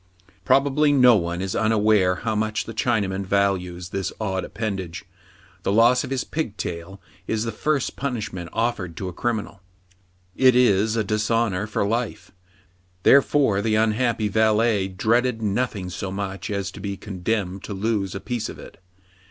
Probably no one is unaware how much the Chinaman values this odd appendage. The loss of his pigtail is the first punishment offered to a criminal. It is a dishonor for life : therefore the unhappy valet dreaded nothing so much as to be condemned to lose a piece of it.